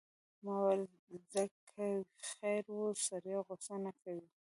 ما ویل ځه که خیر وي، سړی غوسه نه دی.